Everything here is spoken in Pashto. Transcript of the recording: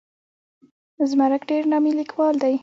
زمرک ډېر نامي لیکوال دی.